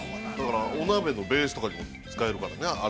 ◆お鍋のベースとかにも使えるからね。